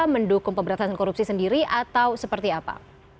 mendukung pemberantasan korupsi sendiri atau seperti apa